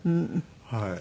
はい。